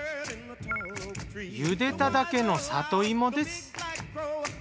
ゆでただけの里芋です。